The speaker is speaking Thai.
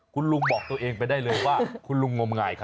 คุณลุงบอกตัวเองไปได้เลยว่าคุณลุงงมงายครับ